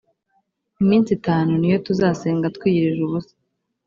iminsi itanu niyo tuzasenga twiyirije ubusa